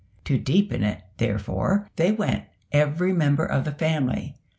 To deepen it, therefore, they went every member of the family.